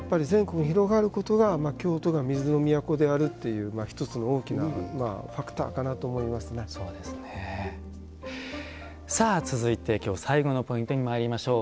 やっぱり全国に広がることが京都が水の都であるという１つの大きなファクターかなと続いてはきょう最後のポイントにまいりましょう。